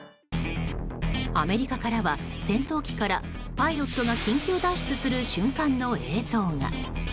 アメリカからは、戦闘機からパイロットが緊急脱出する瞬間の映像が。